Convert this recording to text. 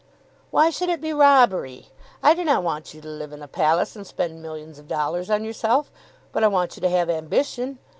"Why should it be robbery? I do not want you to live in a palace and spend millions of dollars on yourself. But I want you to have ambition.